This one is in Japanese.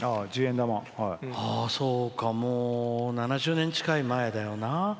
そうか、もう７０年近い前だよな。